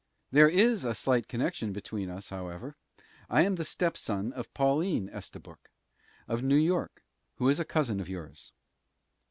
"There is a slight connection between us, however. I am the stepson of Pauline Estabrook, of New York, who is a cousin of yours."